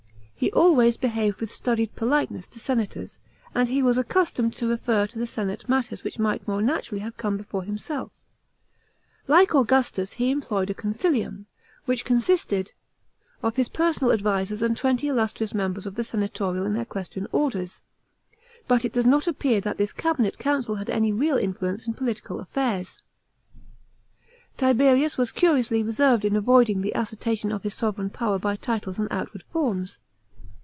He always behaved with studied politeness to senators, and he was accustomed to refer to the senate matters which might more naturally have come before himself Like Augustus, he employed a consitium, which consisted of his personal advisers and twenty illustrious members of tho senatorial and equestrian orders ; but it does not appear that this cabinet council had any real influence in political affairs. Tiberius was curiously reserved in avoiding the assertion of his sovran power by titles and outward forms.